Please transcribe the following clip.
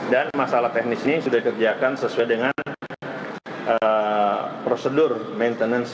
dan masalah teknis ini sudah dikerjakan sesuai dengan prosedur maintenance